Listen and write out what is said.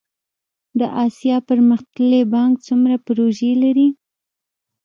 د اسیا پرمختیایی بانک څومره پروژې لري؟